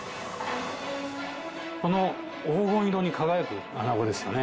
この黄金色に輝くアナゴですよね。